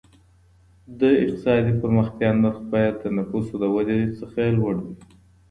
د اقتصادي پرمختیا نرخ باید د نفوسو د ودي څخه لوړ وي.